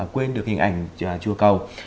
quên được hình ảnh chùa cầu